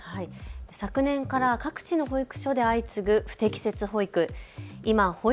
昨年から各地の保育所で相次ぐ不適切保育。